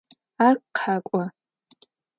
Ар къэкӏо.